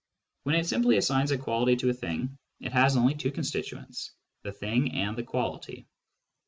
When it simply assigns a quality to * a thing, it has only two constituents, the thing and the quality.